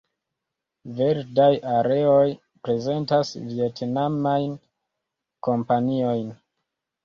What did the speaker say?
Verdaj areoj prezentas vjetnamajn kompaniojn.